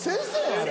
あれ。